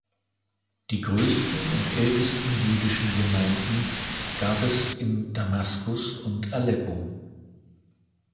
Die größten und ältesten jüdischen Gemeinden gab es in Damaskus und Aleppo.